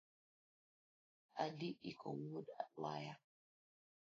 Adi iko wuod waya